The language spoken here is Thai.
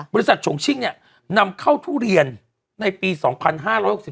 บริษัทฉงชิ่งนำเข้าทุเรียนในปี๒๕๖๔นะครับ